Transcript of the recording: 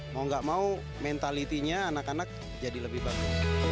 mau nggak mau mentalitinya anak anak jadi lebih bagus